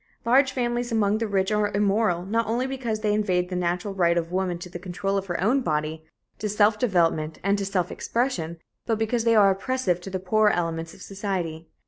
Large families among the rich are immoral not only because they invade the natural right of woman to the control of her own body, to self development and to self expression, but because they are oppressive to the poorer elements of society.